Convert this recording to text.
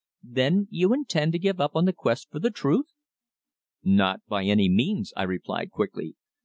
"Then you intend to give up the quest for the truth?" "Not by any means," I replied quickly.